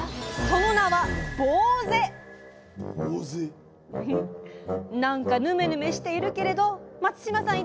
その名はなんかぬめぬめしているけれど松嶋さん